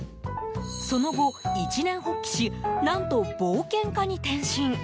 その後、一念発起し何と冒険家に転身。